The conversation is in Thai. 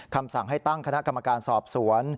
คำสั่งให้ตั้งคณะกรรมการสอบสวน